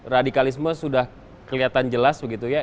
radikalisme sudah kelihatan jelas begitu ya